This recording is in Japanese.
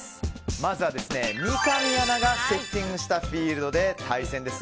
まずは三上アナがセッティングしたフィールドで対戦です。